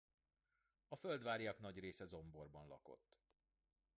A Földváryak nagy része Zomborban lakott.